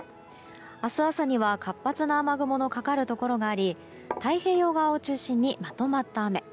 明日朝には活発な雨雲のかかるところがあり太平洋側を中心にまとまった雨。